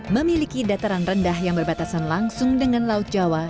memiliki dataran rendah yang berbatasan langsung dengan laut jawa